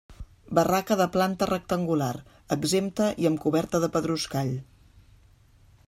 Barraca de planta rectangular, exempta i amb coberta de pedruscall.